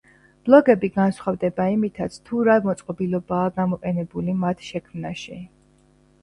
ბლოგები განსხვავდება იმითაც, თუ რა მოწყობილობაა გამოყენებული მათ შექმნაში.